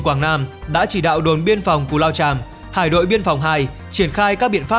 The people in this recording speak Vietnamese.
quảng nam đã chỉ đạo đồn biên phòng cù lao tràm hải đội biên phòng ii triển khai các bộ biên phòng